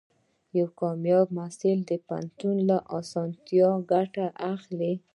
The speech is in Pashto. یو کامیاب محصل د پوهنتون له اسانتیاوو ګټه اخلي.